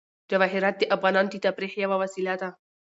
جواهرات د افغانانو د تفریح یوه وسیله ده.